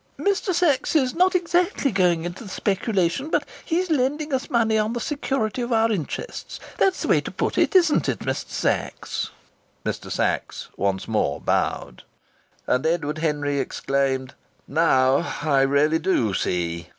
"Mr. Sachs is not exactly going into the speculation, but he is lending us money on the security of our interests. That's the way to put it, isn't it, Mr. Sachs?" Mr. Sachs once more bowed. And Edward Henry exclaimed: "Now I really do see!"